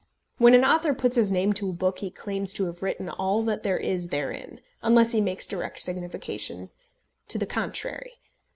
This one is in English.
When an author puts his name to a book he claims to have written all that there is therein, unless he makes direct signification to the contrary.